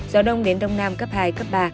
gió đông đến đông nam cấp hai cấp ba